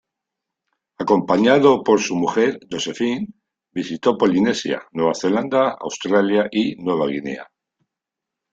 Acompañado por su mujer, Josephine, visitó Polinesia, Nueva Zelanda, Australia y Nueva Guinea.